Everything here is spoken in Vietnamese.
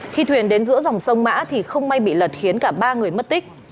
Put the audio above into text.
khi thuyền đến giữa dòng sông mã thì không may bị lật khiến cả ba người mất tích